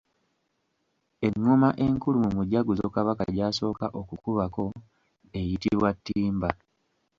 Engoma enkulu mu mujaguzo Kabaka gy'asooka okukubako eyitibwa Ttimba.